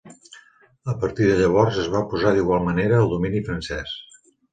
A partir de llavors es va oposar d'igual manera al domini francés.